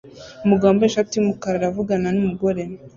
Umugabo wambaye ishati yumukara aravugana numugore